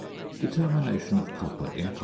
~Determination of Copper in Tin.